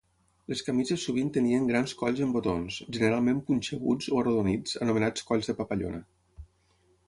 Les camises sovint tenien grans colls amb botons, generalment punxeguts o arrodonits, anomenats colls de papallona.